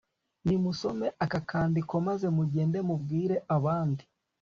nimusome aka kandiko maze mugende mubwire abandi